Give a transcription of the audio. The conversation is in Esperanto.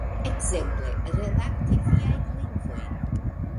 Ekzemple, redakti viajn lingvojn